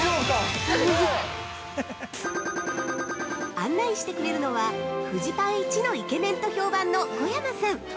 案内してくれるのは、フジパンいちのイケメンと評判の小山さん！